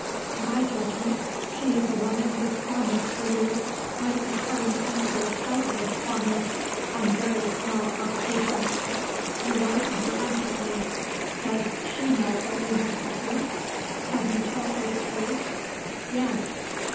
To my judgment, she is a woman whose fondness for you might be turned into a tigerish fondness, on very small provocation. You write to her constantly. Does she know what you have suffered? Have you told her the truth?" "Yes."